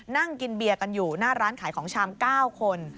นั่งกินเบียร์กันอยู่หน้าร้านขายของชาม๙คน